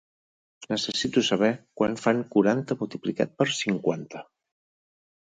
Necessito saber quant fan quaranta multiplicat per cinquanta.